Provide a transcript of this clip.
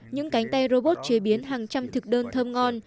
những cánh tay robot chế biến hàng trăm thực đơn thơm ngon